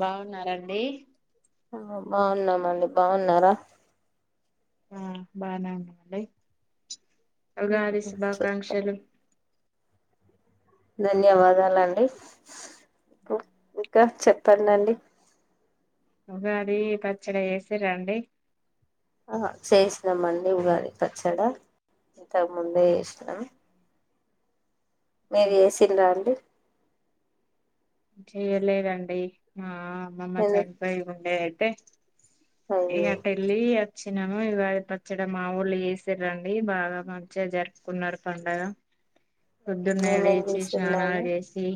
బాగున్నారండి ఆ బాగున్నామ్ అండీ బాగున్నారా ఆ బానే ఉన్నామండీ ఉగాది చెప్తా శుభాకాంక్షలు ధన్యవాదాలండి ప్ ఇంకా చెప్పండండీ ఉగాది పచ్చడ చేసిర అండీ ఆ చేసినాం అండి ఉగాది పచ్చడ ఇంతకు ముందే చేస్నమ్ మీరు చేసిల్ల అండి చెయ్యలెదు అండీ మా అమ్మమ్మ నేను చనిపోయి ఉండే అయితే ఇగ అయ్యో అటెల్లి ఒచ్చినాము ఉగాది పచ్చడ మా వొళ్ళు చేసిరండీ బాగా మంచిగా జరుపుకున్నారు పండగ పొద్దున్నే మేమేం లేచి స్నానాలు చేసిండండి చేసి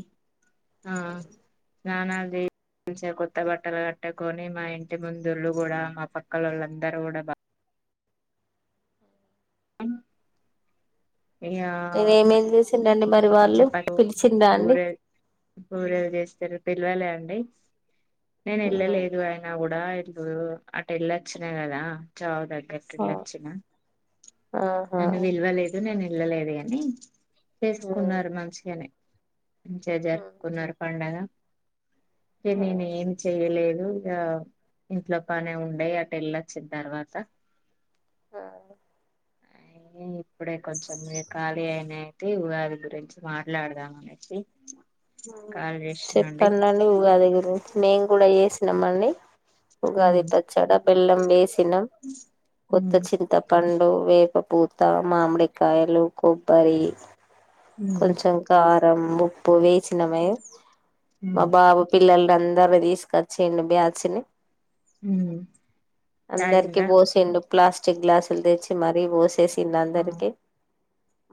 ఆ స్నానాలు చెయ్ మంచిగా కొత్త బట్టలు కట్టకొని మా ఇంటి ముందోళ్లు గుడా మా పక్కలోళ్ళందరూ గుడా బా ఇగ మీరు ఏమేం చేసిండండి మరి వాళ్ళు [unintelligible] పిలిచిండ్రా అండి బూరెల్ బూరెలు చేస్తరు పిలవాలె అండి నేను వెళ్ళలేదు ఆయినా గుడ్ దా ఇప్పుడు అటేళ్ళొచ్చిన గదా చావు దగ్ ఆ గట్టేళ్ళోచ్చిన ఆహా నన్ను పిలవలేదు నేను వెళ్ళలేదు గాని కున్నారు మంచిగానె మంచిగా జరుపుకున్నరు పండగ కె నేనేం చెయ్యలేద్ దు ఆ ఇంట్లో పనే ఉండే అటేళ్ళొచ్చిన తర్వాత ఆ అయి ఇప్పుడే కొంచెం ఇగ ఖాళీ అయినయి అయితే ఉగాది గురించి మాట్లాడుదాం అనేసి మ్ కాల్ చేస్తునండి చెప్పండండి ఉగాది గురించి మేము గుడా చేసినం అండీ ఉగాది పచ్చడా బెల్లం వేసినం కొత్త చింతపండ్ డు వేప పూత మామిడికాయలు కొబ్బరి కొంచం కారం ఉప్పు వేసినమే మా బాబు పిల్లలందర్ని తీసుకొచ్చిండు బ్యాచ్ ని అందరికి తాగిండ్రా బోసిండు ప్లాస్టిక్ గ్లాసులు తెచ్చి మరీ పోసే సిండు ఆ. అందరికి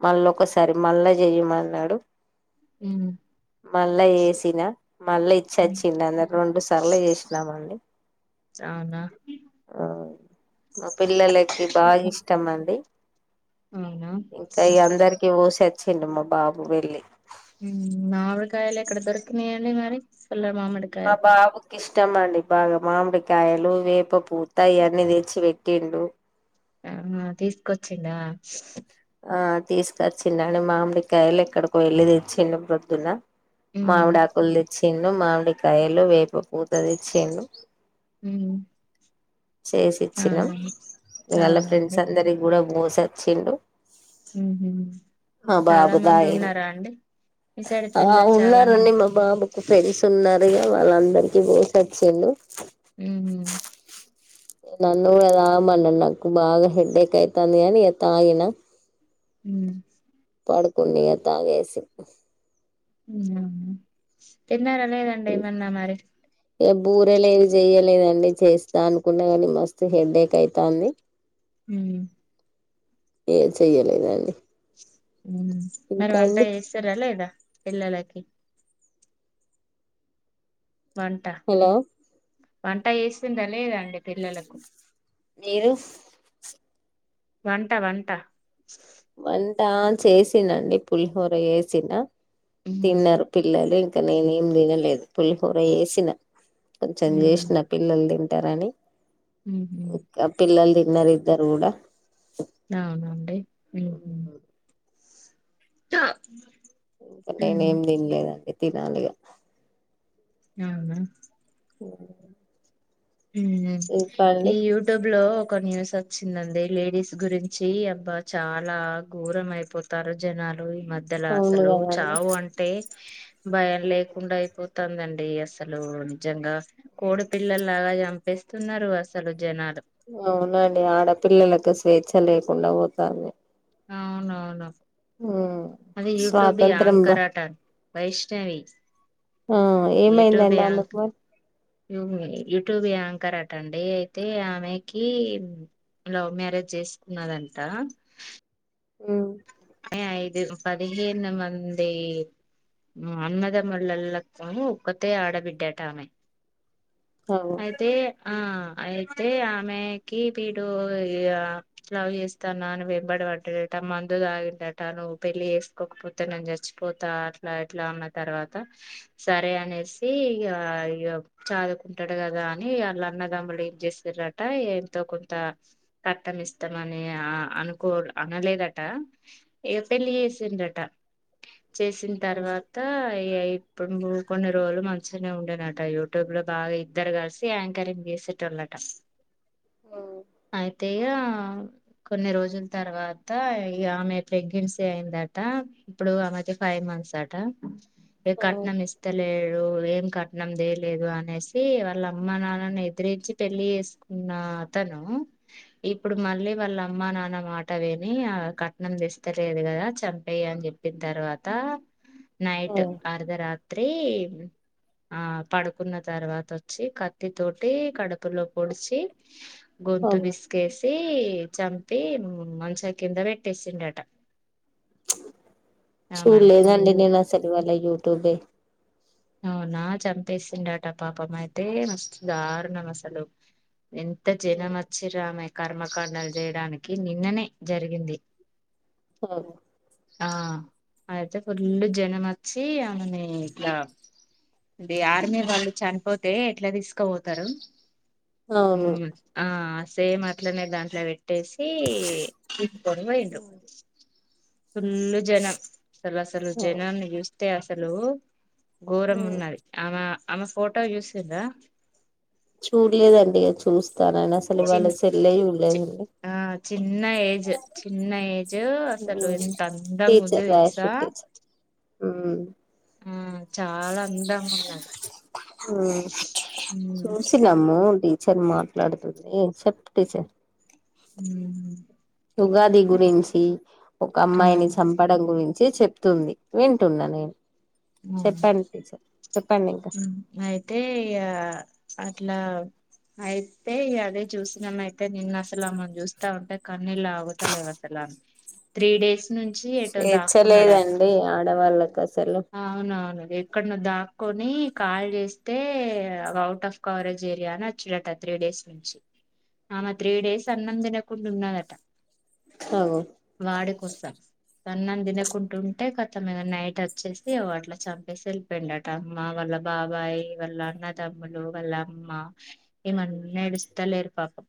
మళ్ళోక్కసారి మళ్ళా జెయమన్నడు మ్ మళ్ళ చెసినా మళ్ళ ఉమ్, ఇచ్చోచ్చిండు అందర్ రొండు సార్ల చేసినామ్ అండీ అవునా మా పిల్లలకి బాగా ఓహో, ఇష్టం అండి అవునా ఇంకా ఇగ అందరికి పోసోచ్చిండు మా బాబు వెళ్ళి మ్ మావిడు కాయాల ఎక్కడ దొరకినయ్ అండి మరి సల్ల మామీడి కాయల్ ష్టమండి బాగా మామిడికాయలు వేప పూత ఇయన్నీ తెచ్చి పెట్టిండు అవునా తీసుకొచ్చిండ ఆ తీసుకొచ్చిండు అండి మామిడి కాయలు ఎక్కడికో వెళ్ళి తెచ్చిండు ప్రొద్దున ఉమ్ మామిడి ఆకులు తేచ్చిండు మామిడి కాయలు వేప పూత తేచ్చిండు మ్ చేసి ఇచ్చినాం ఇగ వాళ్ళ అవునండి ఫ్రెండ్స్ అందరికి గుడా పోసోచ్చిండు మ్ హు మ బాబు తాగిన్ మీ సైడ్ ఆ పిల్లలు చాలా మంది ఉన్నారండి మా బాబు ఫ్రెండ్స్ ఉన్నారుగా వాళ్ళందరికి పోసి వొచ్చిండు ఉహు నన్ను కూడ తామన్నది నాకు బాగా హెడ్డేక్ అయితాంది గాని తాగిన మ్ పడుకుండిగా తాగేసి అవునా తిన్నారా లేదండేమన్నా మరి ఇగ బూరెలేవి చెయ్యలేదండీ. చేస్తా అనుకున్న గానీ మస్తు హెడ్డేకైతాంది. హు ఏ చెయ్యలేదండి ఉ మరి ఇంకా వంట అండి చేస్తారా లేదా పిల్లలకి వంట హలో వంట చేస్తుందా లేదాండి పిల్లలకు మీరు వంట వంట వంటా చేసినండి పులిహోర యేసిన ఉహు తిన్నరు పిల్లలు ఇంకా నేనేం తినలేదు. పులిహోర ఏసిన కొంచెం ఉహు చేశ్న పిల్లలు తింటారనీ ఉహు ఒకా పిల్లలుతి వారిద్దరు గూడా అవునండి ఉహ్మ్ ట ఇంక నేనేం దిన్లేదండి తినాలిగా అవునా కూరగాయలొండుకు హుహు ఈ యూట్యూబ్లో ఒక న్యూస్ ఒచ్చిందండి. లేడీస్ గురించి అబ్బా చాలా ఘోరం అయిపోతారు జనాలు. ఈ మధ్యల అవును అస్సలు కదండి చావు అంటే భయం లేకుండా అయిపోతాందన్ డి అస్సలు నిజంగా కోడిపిల్లలు చంపేస్తున్నారు అస్సలు జనాలు అవునండి ఆడపిల్లలకు స్వేచ్ఛ లేకుండా పోతాంది. అవునవును ఉమ్ అది యూటూబి స్వాతంత్రం బ యాంకరటా వైష్ణవి హా ఏమైందండి ఆమెకు మరి ఉహు యూట్యూబి యాంకరటండి అయితే ఆమెకి లవ్ మ్యారేజ్ చేస్కున్నదంటా ఉ కానీ ఐదు పదిహేను మందీ ఉ అన్నదమ్ముళ్ళలతోని ఒక్కతే ఆడబిడ్డటామె అవు అయితే ఆ అయితే ఆమెకి తీడు ఇగా లవ్ చేస్తాన్నాని వెంబడబడ్డట మందు తాగి డట నువ్వు పెళ్ళి చేస్కోకపోతే నేన్ చచ్చిపోతా అట్లా ఇట్లాన్న తర్వాత సరే అనేసి ఇగా ఇగా చదువుకుంటడు గదాని వాళ్ళ అన్నదమ్ములు ఏం చేస్సిరట ఎంతో కొంత కట్టం ఇస్తామని ఆ అనుకో అనలేదట ఇగ పెళ్ళి చేసిండ్రట చేసిం అవును తర్వాతా ఇగా ఇప్పుడు మూ కొన్నిరోలు మంచిగానే ఉండేనట యూట్యూబ్లో బాగా ఇద్దరు కల్సీ యాంకరింగ్ ఎసెటోల్లట ఓ తేగా కొన్ని రోజుల్ తర్వాత ఇగ ఆమె ప్రెగ్నెన్సీ అయిందట ఇప్పుడు ఆమెకీ ఫైవ్ మంత్స్ అట ఏ ఉమ్ ఉమ్ కట్నమిస్తలే రూ ఏం కట్నందేలేదు అనేసి వాళ్ళ అమ్మ నాన్నని ఎదిరించి పెళ్లి చేసుకున్నా అతనూ ఇప్పుడు మళ్ళీ వాళ్ళమ్మా నాన్న మాట వినీ ఆ కట్నం దెస్ తలేద్ గదా చంపేయ్యన్ జెప్పిన్ తర్వాతా నైట్ ఉమ్ అర్ధరా త్రి ఆ పడుకున్న తర్వాత వచ్చి కత్తి తోటి కడుపులో పొడిచి గొంతు అవును బిస్కేసీ చంపీ మ్ మంచం కింద పెట్టేసిండ్రట. ఆమెని చూల్లేదండి ఘోర్ నేనసలు వాల్ల యువ్టూబె. ఔనా చంపేసిండ్రట పాపమైతే మస్త్ దార్ణమసలు. ఎంత జనమచ్చిర్రామె కర్మకాండల్ జెయ్డానికి నిన్ననే జరిగింది. [unintelligible] ఆ ఐతే ఫుల్లు జనమచ్చి ఆమెనీ ఇట్లా ది ఆర్మీ వాళ్ళు చన్పోతే ఎట్ల దీస్కపోతారు. అవును ఉమ్ ఆ సేమట్లనే దాంట్లొ బెట్టేసీ తీస్కొన్ బొయ్ండ్రు. ఉమ్ ఫుల్ల్ జనం అసలసలు జనాన్ని జూస్తే అసలూ ఉమ్ ఘోరమున్నది ఆమె ఆమె ఫోటో జూసిర్ర చూడ్లేదండి ఇగ చూస్ [unintelligible] అసలివాల చిన్ సెల్లే జూల్లేదండి. ఆ చిన్న ఏజ్ చిన్న ఏజూ అసలు ఎంత అందంగుంది టీచర్ తెల్సా. రాయశూర్ టీచర్ ఉమ్ ఊమ్ చాలా అందంగుందండి. ఉమ్ చూసిన్నమ్ము. టీచర్ మాట్లాడ్తుంది చెప్ప్ టీచర్. ఊమ్. ఉగాది గురించి ఒక ఆ అమ్మాయ్ని చంపడం గురి చి చెప్తుంది వింటున్న నేను. ఉమ్ చెప్పండి టీచర్ చెప్పండి ఇంకా మ్ ఐతే ఇగ అట్లా ఐత్తే ఇగ అదే చూసినమైతే నిన్నసలామెన్ జూస్తా ఉంటె కన్నీళ్లాగుతలేవసల అ త్రీడేస్ స్వేచ్ఛలేదండి ఆడవాళ్ళక్ ఔనవ్ను. ఎక్కడ్నొ దాక్కొనీ కాల్ జేస్తే అవౌటాఫ్ కవ్రేజేర్యా అనొచ్చినట త్రీడేస్ నుంచి ఆమె త్రీడేస్ అన్నం దినకుండున్నదట. అవు వాడి కొస్స అన్నం దినకుంటుంటె కతమిగ నైట చ్చేసి వట్ల చంపేసెల్పొయ్ండట అమ్మ వాళ్ళ బాబాయ్ వాళ్ళ అన్నాతమ్ములు వాళ్ళమ్ మ్మ ఎమన్నేడుస్తలేర్ పాపం.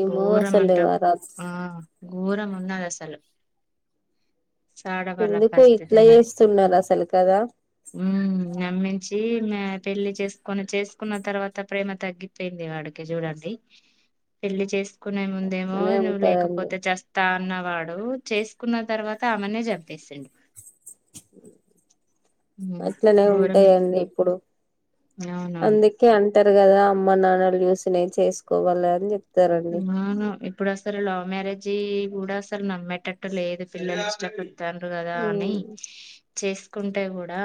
ఏమో అసలు ఘోరమంటవు ఆ. ఘోరమున్నాదసలు చాడ ఎందుకో ఇట్ల జేస్తున్నారసలు కదా. ఊమ్. నమ్మించీ మ్యా పెళ్లి చేస్కొని చేస్కున్న తర్వాత ప్రేమ తగ్గిపెయ్ంది వాడికి జూడండి. పెళ్లి చేస్ కునే ముందేమో అట్లనే నువ్ ఉంటదండి లేకపోతే చస్తా అన్నవాడు చేస్కున్న తర్వాత ఆమెనే జం పేసిండు. అట్లనే ఉంటదండి ఇప్పుడు. ఔనాన్ అంటర్ గదా అమ్మ నాన్నల్ జూస్ నేన్ చేస్కోగల్నని జెప్ [unintelligible] ఇప్ ప్పుడసలు లవ్ మ్యారేజీ గూడా అసల్ నమ్మేటట్టు లేదు పిల్లలిష్టప తండ్రు గదా అని చేసుకుంటే కూడా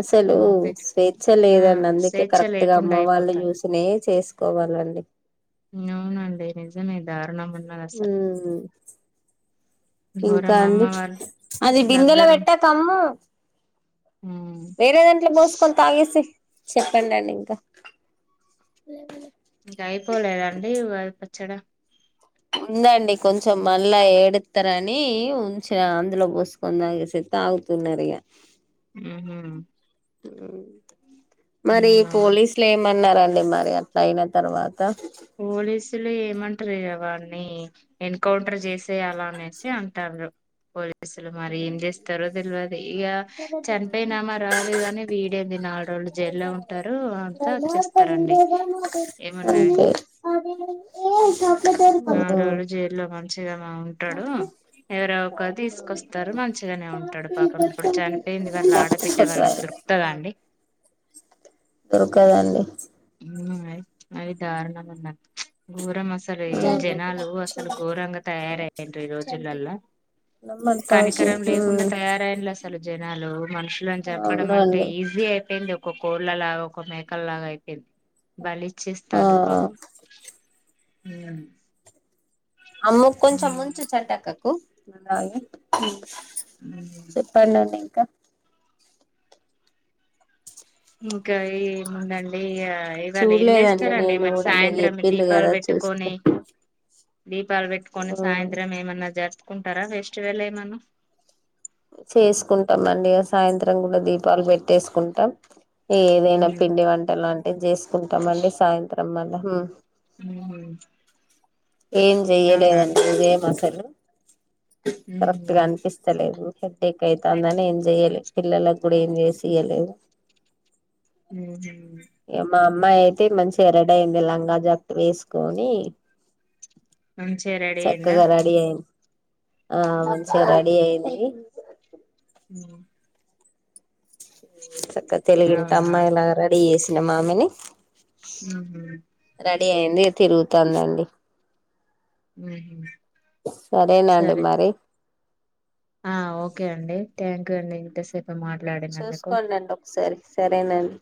అసలు ఆపే స్వేచ్ఛ ఆ లేదండి అందుకే స్వేచ్ఛ కరెక్ట్ గా లేకుండా అమ్మ వాళ్ళు అయిపోతా చూసినాయే చేసుకోవాలండి అవునండి నిజమేదా ఊమ్ ఇంకా ఘోరం అమ్మ అండి వాళ్ళు అది బిందెల దగ్గరుండి పెట్టకమ్మూ ఉమ్. వేరేదాంట్లొ బోస్కొకోన్ తాగేసెయ్. చెప్పండి అండి ఇంకా ఇంకా అయిపోలేద అండీ ఉగాది పచ్చడా ఉందండి కొంచం మళ్ళా ఏడుతరనీ ఉంచిన అందులో పోసుకొనితాగేసె తాగుతున్నరు ఇగ ఊహు మరి అవునవును పోలీసులు ఏమన్నరండి మరి ఇగ అట్లా అయిన తర్వాత పోలీస్ సులు ఏమంటరు ఇగ వాని ఎన్కౌంటర్ చేసేయాల అనేసి అంటారు పోలి అసలు మరి ఏం చేస్తారో తెలియది ఇగా చనిపోయినామా రాదుగాని వీడేదినల్ రో వాళ్ళు జైల్లో ఉంటారు అంతా వచ్చేస్తారండి ఏమున్నాయి అదీ నల్ రోలు జైల్లో మంచిగా మా ఉంటడు ఎవరో ఒకర్ తీసుకొస్తారు మంచిగనే ఉంటాడు పాపం ఇప్పుడు చనిపోయింది వాళ్ళు ఆడబిడ్డే వల్లా దొరు తదా అండి దొరుకదండి ఉమ్ అది అది ధారూనం అన్న ఘోరం అసలు ఈ జనాలు అసలు ఘోరంగా తయారయ్యిరూ ఈ రోజులలా నమ్మంత అవసరం కనికరం లేకుండా ఉమ్ తయారైరూ అసలు జెన్ జనాలు మనుషులను చంపడం అంటే అవునండి ఈజీ అయిపోయింది ఒక కోళ్ళలాగా ఒక మేకలాగా అయి పోంది బలి ఆ ఇచ్చెతండ్రు పాపం అమ్ము కొంచం ఉమ్ ఉంచు చటక్కకు నువ్ దాగి ఉ చెప్పడండి ఇంకా ఇంకా ఏముందండి ఇగ ఇవాళ ఏం చూడలేదండి చేస్తారండి నేను మరి కూడా మీరు సాయంత్రం చెప్పిండ్రు దీపాలు కదా చూస్తా పెట్టుకొని దీపాలు పెట్టుకొని ఉమ్ సాయంత్రం ఏమన్నా జరుపుకుంటారా ఫెస్టివెల్ ఏమన్నా చేసుకుంటాం అండి సాయంత్రం కూడా దీపాలు పెట్టేసుకుంటాం ఏదైనా పిండి వంటలు లాంటిది చేసుకుంటామండి సాయంత్రం మళ్ళ ఉమ్ ఏం చెయ్యలేదండి ఉదయం అసలు కరెక్ట్గా అనిపిస్తలేదు హెడేక్ అయితందని ఏం చెయ్యలే పిల్లలకు కూడా ఏం చేసియలేదు ఉహు అమ్మాయి అయితే మంచిగ రడయింది లంగా జక్ట్ వేసుకొని మంచిగా రెడీ అయిందా చక్కగా రడి ఐంది ఆ మంచిగ ఉహుమ్ రడి అయింది ఉమ్ చక్కగా తెలిగింట అవునా అమ్మాయిలాగా రెడీ చేసినం మామని ఊహు రడీ అయింది ఇగ తిరుగుతందండి ఊహు సరేనాండి మరి ఆ ఓకే అండి థ్యాంక్ యూ అండి ఇంతసేప్ చూస్కోడండి ఒక్సారి సరేనండి.